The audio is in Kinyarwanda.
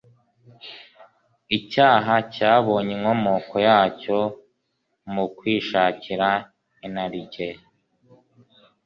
Icyaha cyabonye inkomoko yacyo mu kwishakira inarijye.